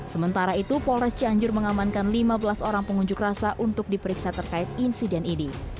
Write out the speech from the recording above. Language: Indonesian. sementara itu polres cianjur mengamankan lima belas orang pengunjuk rasa untuk diperiksa terkait insiden ini